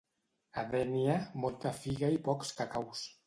A Dénia, molta figa i pocs cacaus.